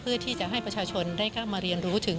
เพื่อที่จะให้ประชาชนได้เข้ามาเรียนรู้ถึง